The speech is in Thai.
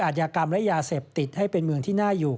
อาจยากรรมและยาเสพติดให้เป็นเมืองที่น่าอยู่